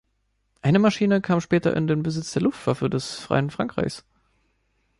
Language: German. Eine Maschine kam später in den Besitz der Luftwaffe des Freien Frankreichs.